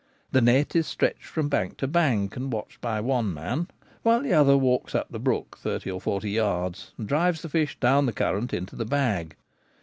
The net is stretched from bank to bank, and watched by one man, while the other walks up the brook thirty or forty yards, and drives the fish down the current into the bag.